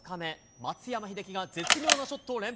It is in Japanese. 松山英樹が絶妙なショットを連発。